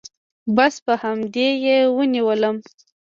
بس په همدې يې ونيولم.